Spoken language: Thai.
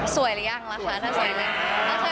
สวยรึยังละคะถ้าสวยแล้วก็โอเค